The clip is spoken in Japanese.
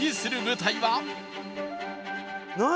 何？